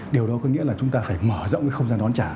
điều đó có nghĩa là chúng ta phải mở rộng cái không gian đón trả